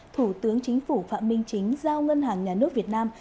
thủ tướng chính phủ phạm minh chính giao ngân hàng nhà nước việt nam